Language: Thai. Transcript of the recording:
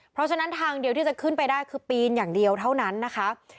เพราะฉะนั้นทางเดียวที่จะขึ้นไปได้คือปีนอย่างเดียวเท่านั้นนะคะ